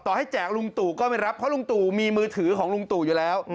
ให้แจกลุงตู่ก็ไม่รับเพราะลุงตู่มีมือถือของลุงตู่อยู่แล้ว